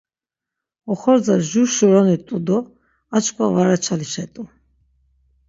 Oxorza jur-şuroni t̆u do açkva var açalişet̆u.